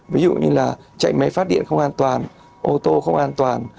ví dụ như là chạy máy phát điện không an toàn ô tô không an toàn